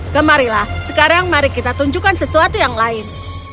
kemarilah sekarang mari kita tunjukkan sesuatu yang lain